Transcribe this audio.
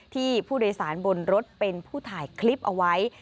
ที่ผู้โดยสารบนรถเป็นผู้ถ่ายคลิปเอาไว้